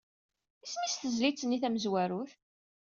Isem-is tezlit-nni tamezwarut?